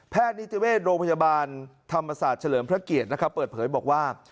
แพทย์นิทเวศโรงพยาบาลธรรมศาสตร์เฉลิมพระเกียรติเปิดเผยบอกว่า